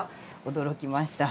驚きました。